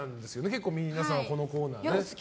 結構皆さん、このコーナー。